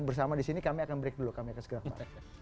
bersama disini kami akan break dulu kami akan segera